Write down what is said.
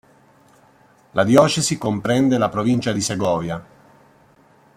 La diocesi comprende la provincia di Segovia.